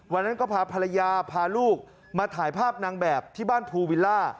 วันนั้นก็พาภรรยาพาลูกมาถ่ายภาพนางแบบที่บ้านภูวิลล่า